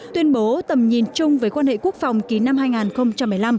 tuyên bố tầm nhìn chung với quan hệ quốc phòng ký năm hai nghìn một mươi năm